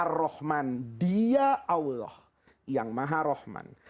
ar rahman dia allah yang maha rahman